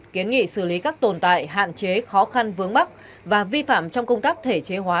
kiến nghị xử lý các tồn tại hạn chế khó khăn vướng mắc và vi phạm trong công tác thể chế hóa